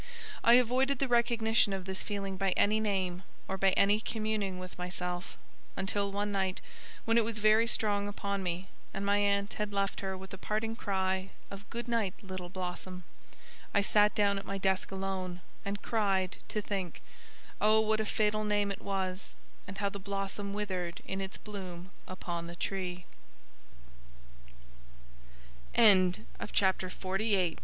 I avoided the recognition of this feeling by any name, or by any communing with myself; until one night, when it was very strong upon me, and my aunt had left her with a parting cry of 'Good night, Little Blossom,' I sat down at my desk alone, and tried to think, Oh what a fatal name it was, and how the blossom withered in its bl